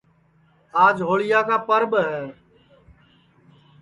آج ہوݪیا کا پرٻ ہے